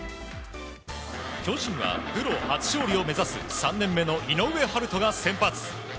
巨人はプロ初勝利を目指す３年目の井上温大が先発。